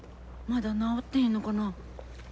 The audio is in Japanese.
まだ治ってへんのかな。